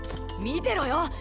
⁉見てろよ！